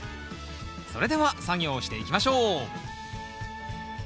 それでは作業していきましょう。